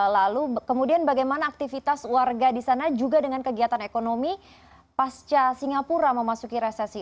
lalu kemudian bagaimana aktivitas warga di sana juga dengan kegiatan ekonomi pasca singapura memasuki resesi